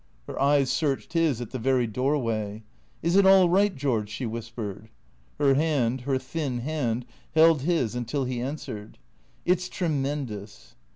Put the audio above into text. Her eyes searched his at the very doorway. " Is it all right, George ?" she whispered. Her hand, her thin hand, held liis until he answered. " It 's tremendous."